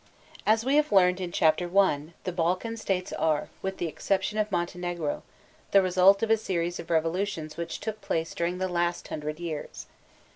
As we have learned in Chapter I, the Balkan states are, with the exception of Montenegro, the result of a series of revolutions which took place during the last hundred years.